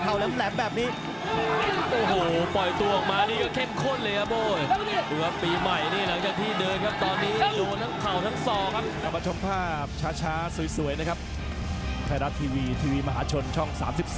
เอามาชมภาพช้าสวยนะครับไทยรัฐทีวีทีวีมหาชนช่อง๓๒